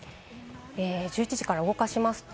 １１時から動かします。